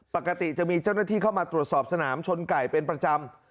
ปกติจะมีเจ้าหน้าที่เข้ามาตรวจสอบสนามชนไก่เป็นประจำ